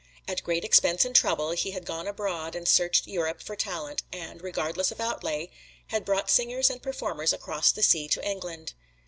At great expense and trouble he had gone abroad and searched Europe for talent, and, regardless of outlay, had brought singers and performers across the sea to England.